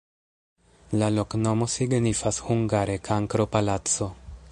La loknomo signifas hungare: kankro-palaco.